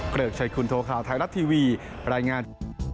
ริกชัยคุณโทข่าวไทยรัฐทีวีรายงาน